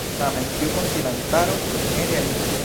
Tamen tiu konsilantaro ne realiĝis.